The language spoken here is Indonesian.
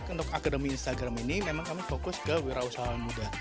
untuk akademi instagram ini memang kami fokus ke wira usaha muda